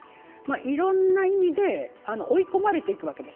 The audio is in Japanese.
いろんな意味で追い込まれていくわけです。